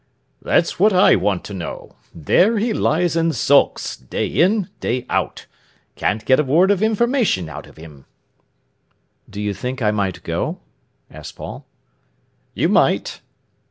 "That's what I want to know. There he lies and sulks, day in, day out. Can't get a word of information out of him." "Do you think I might go?" asked Paul. "You might."